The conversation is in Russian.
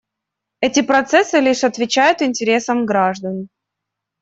Эти процессы лишь отвечают интересам граждан.